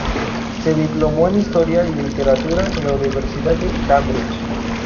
Se diplomó en historia y literatura en la Universidad de Cambridge.